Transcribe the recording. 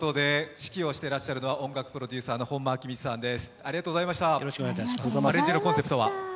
指揮をしてらっしゃるのは音楽プロデューサーの本間昭光さんです。